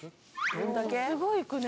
すごいいくね。